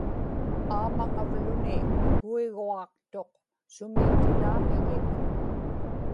aamaŋavluni puiguġaqtuq sumiitilaamiñik